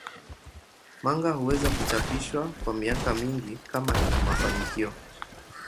Manga huweza kuchapishwa kwa miaka mingi kama ina mafanikio.